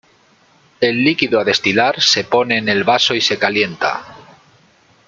El líquido a destilar se pone en el vaso y se calienta.